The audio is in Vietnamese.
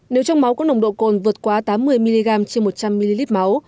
nếu trong máu có nồng độ cồn vượt quá tám mươi mg trên một trăm linh ml máu